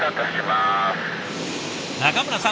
中村さん